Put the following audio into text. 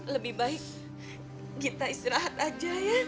lebih baik kita istirahat aja ya